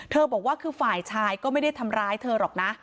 บอกว่าคือฝ่ายชายก็ไม่ได้ทำร้ายเธอหรอกนะ